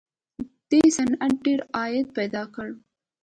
دې صنعت ډېر عاید پیدا کړ